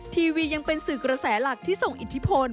ทีวียังเป็นสื่อกระแสหลักที่ส่งอิทธิพล